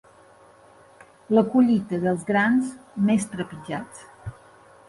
La collita dels grans més trepitjats.